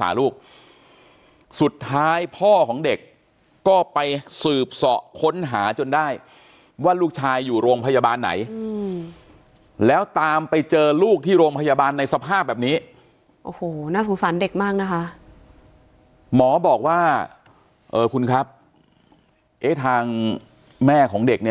สารเด็กมากนะคะหมอบอกว่าเออคุณครับเอ๊ะทางแม่ของเด็กเนี้ย